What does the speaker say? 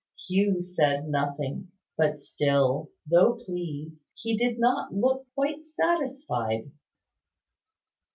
Hugh said nothing; but still, though pleased, he did not look quite satisfied.